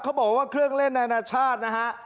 เขาบอกว่าเครื่องเล่นนานาชาตินะฮะ